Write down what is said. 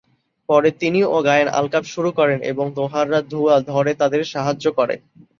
পরে তিনি ও গায়েন আলকাপ শুরু করেন এবং দোহাররা ধুয়া ধরে তাদের সাহায্য করে।